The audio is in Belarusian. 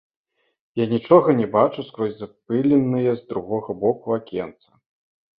Я нічога не бачу скрозь запыленае з другога боку акенца.